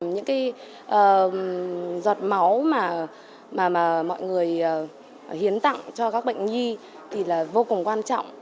những cái giọt máu mà mọi người hiến tặng cho các bệnh nhi thì là vô cùng quan trọng